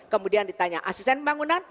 kemudian ditanya asisten pembangunan